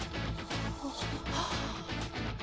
ああ。